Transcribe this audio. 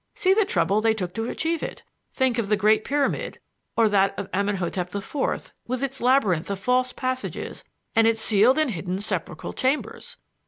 See the trouble they took to achieve it. Think of the great Pyramid, or that of Amenhotep the Fourth with its labyrinth of false passages and its sealed and hidden sepulchral chambers.